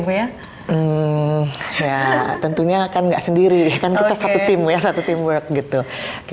hmm ya tentunya kan nggak sendiri kan kita satu tim satu teamwork